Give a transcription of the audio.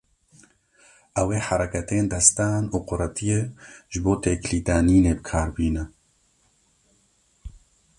Ew ê hereketên destan û quretiyê ji bo têkilîdanînê bi kar bîne.